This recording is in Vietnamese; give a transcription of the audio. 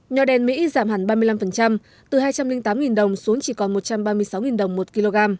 nhỏ đen mỹ giảm hẳn ba mươi năm từ hai trăm linh tám đồng xuống chỉ còn một trăm ba mươi sáu đồng một kg